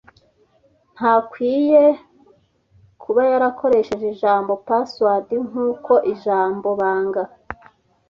ntakwiriye kuba yarakoresheje ijambo "password" nk'uko Ijambobanga.